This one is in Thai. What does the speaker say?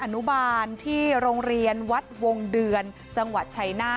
อนุบาลที่โรงเรียนวัดวงเดือนจังหวัดชัยนาธ